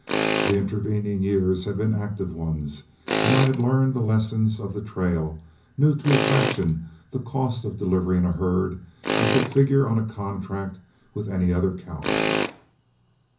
The intervening years had been active ones, and I had learned the lessons of the trail, knew to a fraction the cost of delivering a herd, and could figure on a contract with any other cowman.